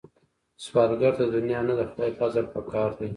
سوالګر ته د دنیا نه، د خدای فضل پکار دی